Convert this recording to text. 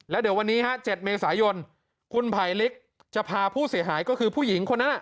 แล้วเดี๋ยววันนี้๗เมษายนคุณไผลลิกจะพาผู้เสียหายก็คือผู้หญิงคนนั้น